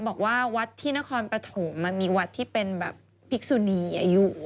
บอกว่าวัดธินครปฐมมีวัดที่เป็นพริกสุนีอยู่